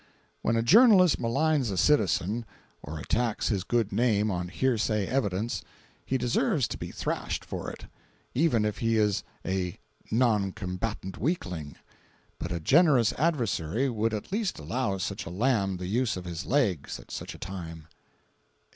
When a journalist maligns a citizen, or attacks his good name on hearsay evidence, he deserves to be thrashed for it, even if he is a "non combatant" weakling; but a generous adversary would at least allow such a lamb the use of his legs at such a time.